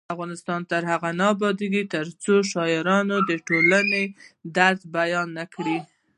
افغانستان تر هغو نه ابادیږي، ترڅو شاعران د ټولنې درد بیان نکړي.